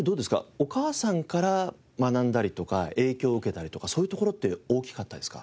お母さんから学んだりとか影響を受けたりとかそういうところって大きかったですか？